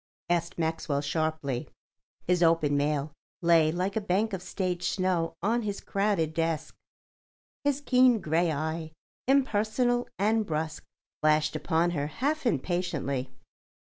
asked Maxwell sharply. His opened mail lay like a bank of stage snow on his crowded desk. His keen grey eye, impersonal and brusque, flashed upon her half impatiently.